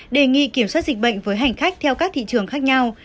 đề nghị kiểm soát dịch bệnh với hành khách theo các thị trường khác nhau